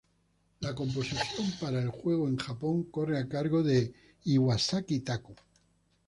La composición para el juego en Japón corre a cargo de Iwasaki Taku.